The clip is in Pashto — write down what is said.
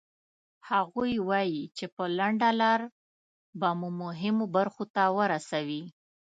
هغوی وایي چې په لنډه لاره به مو مهمو برخو ته ورسوي.